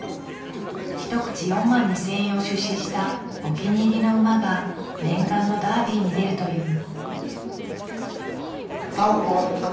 一口４万２，０００円を出資したお気に入りの馬が念願のダービーに出るという。